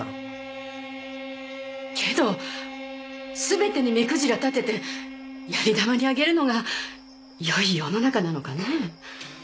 けどすべてに目くじら立てて槍玉に挙げるのがよい世の中なのかねぇ？